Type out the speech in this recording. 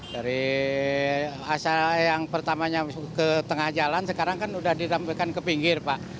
dari acara yang pertamanya ke tengah jalan sekarang kan sudah dirampaikan ke pinggir pak